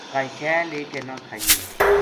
کائے شے لے کے نہ کھانیے